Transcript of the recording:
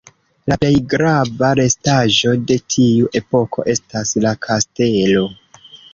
La plej grava restaĵo de tiu epoko estas la kastelo.